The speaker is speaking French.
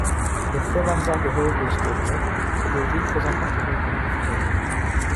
Les Verbandsangehörige Städte sont des villes faisant partie d'une commune fusionnée.